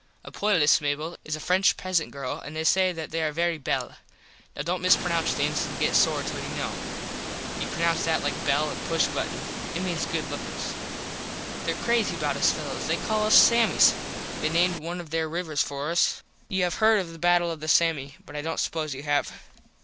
A poilus Mable is a French peasant girl an they say that they are very belle. (Now don't mispronounce things an get sore till you know. You pronounce that like the bell in push button. It means good lookers.) There crazy about us fellos. They call us Sammies. They named one of there rivers for us. You have heard of the battle of the Samme. But I dont suppose you have.